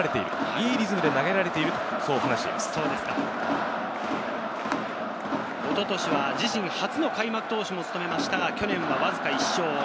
いいリズムで投げられおととしは自身初の開幕投手を務めましたが、去年はわずか１勝。